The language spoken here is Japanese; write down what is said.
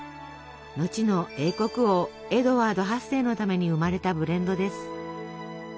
後の英国王エドワード８世のために生まれたブレンドです。